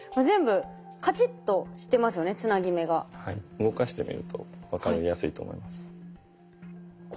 動かしてみると分かりやすいと思います。